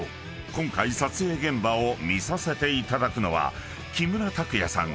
今回撮影現場を見させていただくのは木村拓哉さん